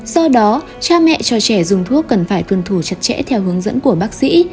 do đó cha mẹ cho trẻ dùng thuốc cần phải tuân thủ chặt chẽ theo hướng dẫn của bác sĩ